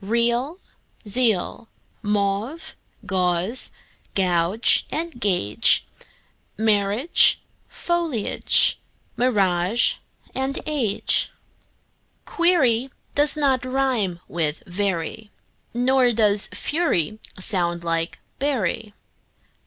Real, zeal; mauve, gauze and gauge; Marriage, foliage, mirage, age. Query does not rime with very, Nor does fury sound like bury.